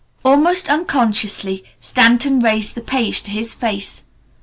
"] Almost unconsciously Stanton raised the page to his face.